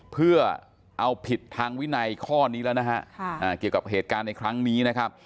เพื่อเอาผิดทางวินัยข้อนี้แล้วนะฮะเกี่ยวกับเหตุการณ์ในครั้งนี้นะครับ